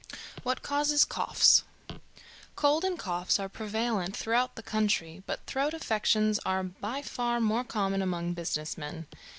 What Causes Coughs. Cold and coughs are prevalent throughout the country, but throat affections are by far more common among business men.